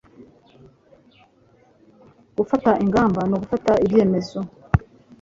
Gufata ingamba ni ugufata ibyemezo.